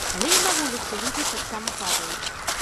Але і на вуліцы людзі таксама падаюць.